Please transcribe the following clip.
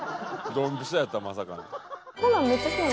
ドンピシャやったまさかの。